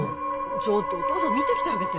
ちょっとお父さん見てきてあげて・